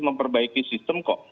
memperbaiki sistem kok